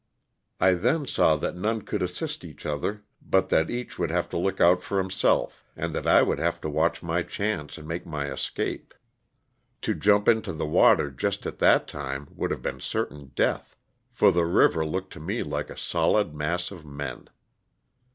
I then saw that none could assist each other but that each would have to look out for himself, and that I would have to watch my chance and make my escape To jump into the water just at that time would have been certain death, for the river looked to me like a solid mass of men.